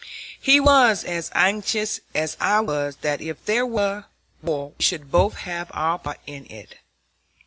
He was as anxious as I was that if there were war we should both have our part in it.